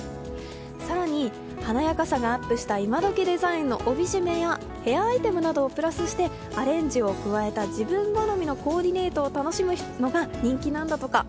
更に華やかさがアップした今どきデザインの帯締めやヘアアイテムなどをプラスしてアレンジを加えた自分好みのコーディネートを楽しむのが人気なんだとか。